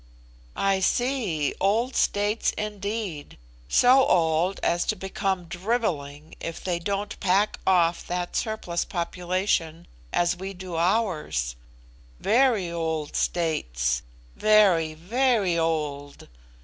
"I see! old states indeed! so old as to become drivelling if they don't pack off that surplus population as we do ours very old states! very, very old!